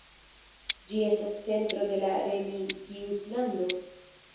Ĝi estas centro de la Remigius-lando.